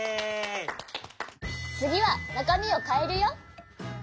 つぎはなかみをかえるよ。